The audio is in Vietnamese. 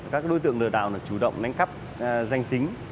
các đối tượng lừa đảo chủ động đánh cắp danh tính